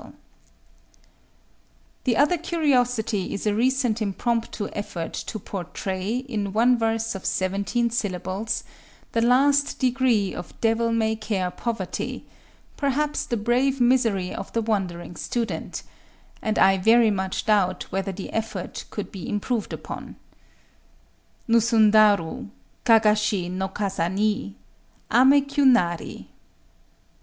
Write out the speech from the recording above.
[Illustration: Square Triangle] The other curiosity is a recent impromptu effort to portray, in one verse of seventeen syllables, the last degree of devil may care poverty,—perhaps the brave misery of the wandering student;—and I very much doubt whether the effort could be improved upon:— Nusundaru Kagashi no kasa ni Amé kyū nari.